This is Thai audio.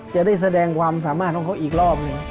จะได้แสดงความสามารถของเขาอีกรอบหนึ่ง